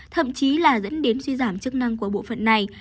thậm chí là dẫn đến suy giảm chức năng của bộ phận này